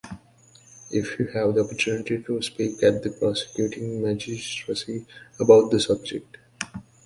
If you have the opportunity to speak at the Prosecuting Magistracy about the subject?